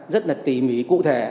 rất là tỉ mỉ cụ thể